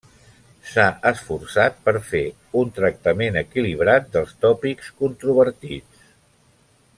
S'ha esforçat per fer un tractament equilibrat dels tòpics controvertits.